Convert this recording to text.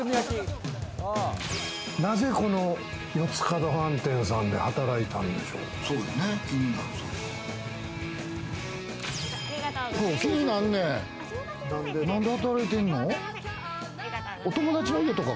なぜ、この四つ角飯店さんで働いたんでしょうか？